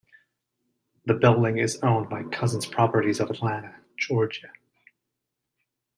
The building is owned by Cousins Properties of Atlanta, Georgia.